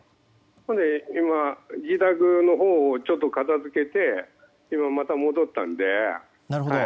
今、自宅のほうをちょっと片付けて今、また戻ったので。